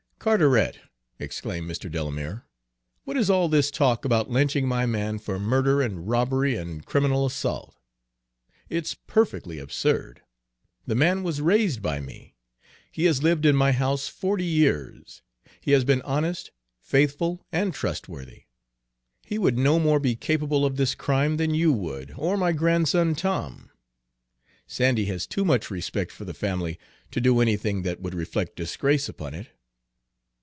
"Carteret," exclaimed Mr. Delamere, "what is all this talk about lynching my man for murder and robbery and criminal assault? It's perfectly absurd! The man was raised by me; he has lived in my house forty years. He has been honest, faithful, and trustworthy. He would no more be capable of this crime than you would, or my grandson Tom. Sandy has too much respect for the family to do anything that would reflect disgrace upon it."